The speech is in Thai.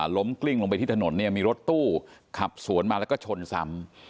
กลิ้งลงไปที่ถนนเนี่ยมีรถตู้ขับสวนมาแล้วก็ชนซ้ำ